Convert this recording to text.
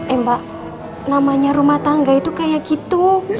eh mbak namanya rumah tangga itu kayak gitu